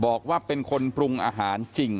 อยู่ดีมาตายแบบเปลือยคาห้องน้ำได้ยังไง